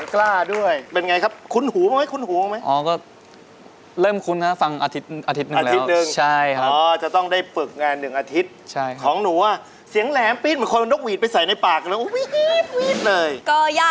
รอเวลาถ้าพี่ได้มากลับจากกองร้อยจะดีใจไม่น้อย